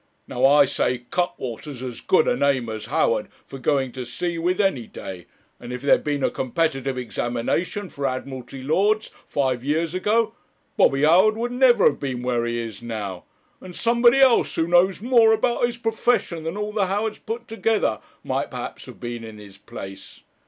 Now I say Cuttwater's as good a name as Howard for going to sea with any day; and if there'd been a competitive examination for Admiralty Lords five years ago, Bobby Howard would never have been where he is now, and somebody else who knows more about his profession than all the Howards put together, might perhaps have been in his place.